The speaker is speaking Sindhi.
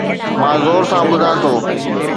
مان زور سان ٻڌان ٿو